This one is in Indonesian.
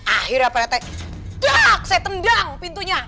akhirnya pak rete dak saya tendang pintunya